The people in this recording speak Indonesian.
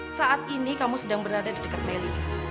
saat ini kamu sedang berada di dekat melika